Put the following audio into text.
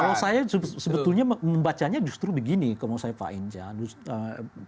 kalau saya sebetulnya membacanya justru begini kalau saya faham